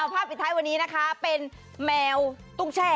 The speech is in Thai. ภาพปิดท้ายวันนี้นะคะเป็นแมวตุ้งแช่